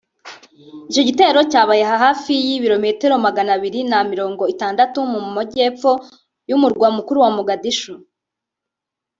Icyo gitero cyabaye hafi y’ibilometero Magana abiri na mirongo itandatu mu mujyepfo y’umurwa mukuru wa Mogadisho